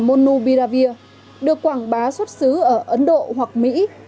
monubiravir được quảng bá xuất xứ ở ấn độ hoặc mỹ